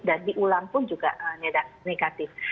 dan diulang pun juga negatif